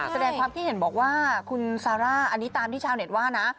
แสดงความคิดเห็นบอกว่าคุณซาร่าอันนี้ตามที่ชาวเน็ตว่านะ